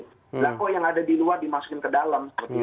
laku yang ada di luar dimasukin ke dalam